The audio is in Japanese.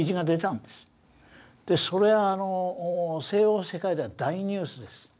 それは西洋世界では大ニュースです。